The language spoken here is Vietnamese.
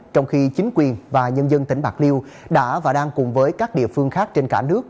trong khi chính quyền và nhân dân tỉnh bạc liêu đã và đang cùng với các địa phương khác trên cả nước